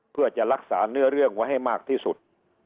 เพื่อจะรักษาเนื้อเรื่องไว้ให้มากที่สุด